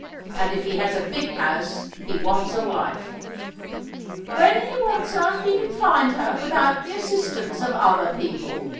And if he has a big house he wants a wife." "When he wants her he can find her without the assistance of other people.